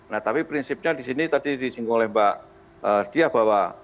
nah tapi prinsipnya di sini tadi disinggung oleh mbak diah bahwa